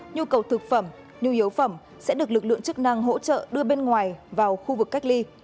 nhu cầu thực phẩm nhu yếu phẩm sẽ được lực lượng chức năng hỗ trợ đưa bên ngoài vào khu vực cách ly